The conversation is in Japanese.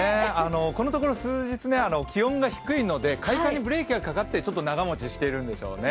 このところ数日、気温が低いので開花にブレーキがかかってちょっと長もちしているんでしょうね。